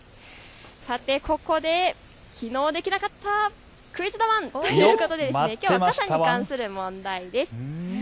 さてここできのうできなかったクイズだワン！ということできょうは傘に関する問題です。